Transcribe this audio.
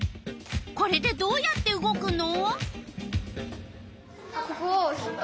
これでどうやって動くの？